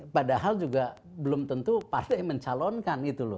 padahal juga belum tentu partai mencalonkan gitu loh